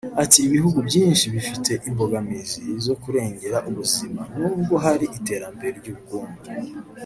Ati “Ibihugu byinshi bifite imbogamizi zo kurengera ubuzima nubwo hari iterambere ry’ubukungu